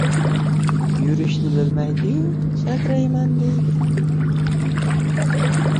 • Yurishni bilmaydi-yu, sakrayman deydi.